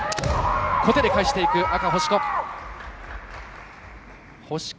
小手で返していく星子。